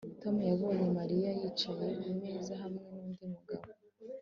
Tom yabonye Mariya yicaye kumeza hamwe nundi mugabo